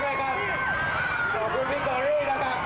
ขอบคุณท่านพี่น้องชาวประกิษนะครับผมขอบคุณท่านพี่น้องชาวประกิษนะครับผม